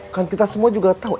kan kita semua juga tahu